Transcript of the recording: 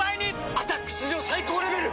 「アタック」史上最高レベル！